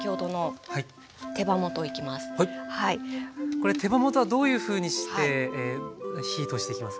これ手羽元はどういうふうにして火通していきますか？